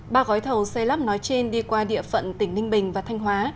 ba gói thầu xây lắp nói trên đi qua địa phận tỉnh ninh bình và thanh hóa